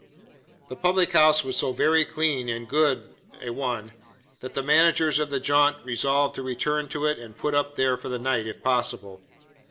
The public house was so very clean and good a one, that the managers of the jaunt resolved to return to it and put up there for the night, if possible.